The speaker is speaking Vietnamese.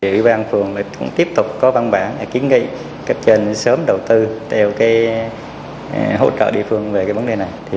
ủy ban phường cũng tiếp tục có văn bản để kiến nghị cách trên sớm đầu tư theo hỗ trợ địa phương về vấn đề này